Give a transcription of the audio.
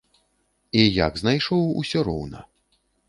І як знайшоў усё роўна.